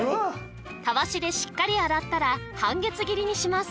たわしでしっかり洗ったら半月切りにします